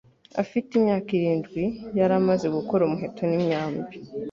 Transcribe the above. afite imyaka irindwi, yari amaze gukora umuheto n'imyambi